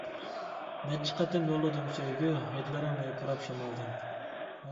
نەچچە قېتىم يوللىدىم سۆيگۈ، ھىدلىرىڭنى پۇراپ شامالدىن.